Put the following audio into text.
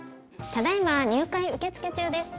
ただ今入会受け付け中です。